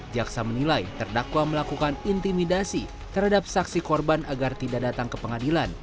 jaksa menilai terdakwa melakukan intimidasi terhadap saksi korban agar tidak datang ke pengadilan